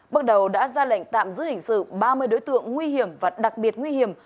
bước đầu đã ra lệnh tạm giữ hình sự ba mươi đối tượng nguy hiểm và đặc biệt nguy hiểm